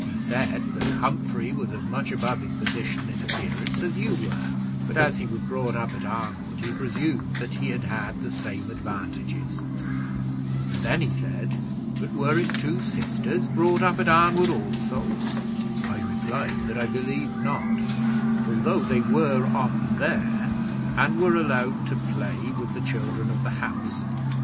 He said that Humphrey was as much above his position in appearance as you were, but as he was brought up at Arnwood, he presumed that he had had the same advantages. And then he said 'But were his two sisters brought up at Arnwood also?' I replied, that I believed not, although they were often there, and were allowed to play with the children of the house.